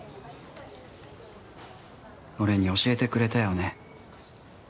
俺に教えてくれたよね